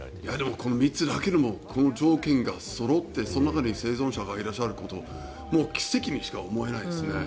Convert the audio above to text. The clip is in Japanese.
この３つだけでもこの条件がそろってその中で生存者がいらっしゃること奇跡にしか思えないですよね。